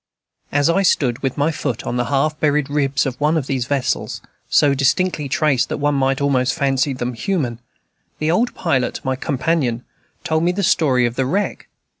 As I stood with my foot on the half buried ribs of one of these vessels, so distinctly traced that one might almost fancy them human, the old pilot, my companion, told me the story of the wreck.